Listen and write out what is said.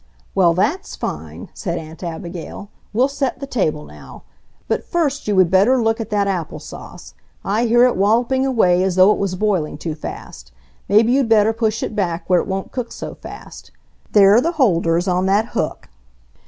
"Well, that's fine," said Aunt Abigail. "We'll set the table now. But first you would better look at that apple sauce. I hear it walloping away as though it was boiling too fast. Maybe you'd better push it back where it won't cook so fast. There are the holders, on that hook."